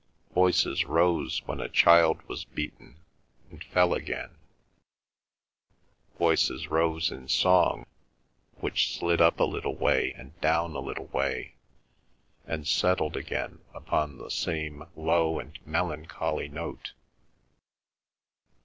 Voices rose when a child was beaten, and fell again; voices rose in song, which slid up a little way and down a little way, and settled again upon the same low and melancholy note.